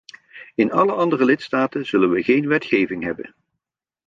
In alle andere lidstaten zullen we geen wetgeving hebben.